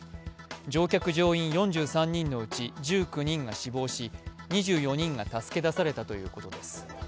乗客・乗員４３人のうち、１９人が死亡し、２４人が助け出されたということです。